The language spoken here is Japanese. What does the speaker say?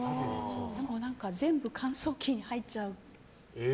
でも全部、乾燥機に入っちゃう。